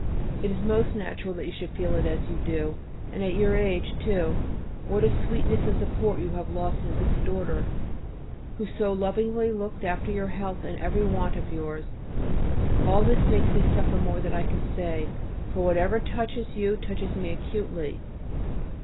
It is most natural that you should feel it as you do, and at your age too; what a sweetness and support you have lost in this daughter who so lovingly looked after your health and every want of yours. All this makes me suffer more than I can say, for whatever touches you touches me acutely.